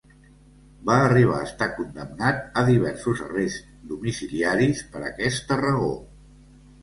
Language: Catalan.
Va arribar a estar condemnat a diversos arrests domiciliaris per aquesta raó.